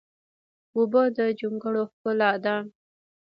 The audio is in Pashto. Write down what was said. اوبه د جونګړو ښکلا ده.